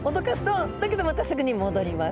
だけどまたすぐに戻ります。